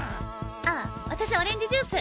あ私オレンジジュース。